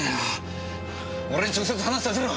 俺に直接話をさせろ！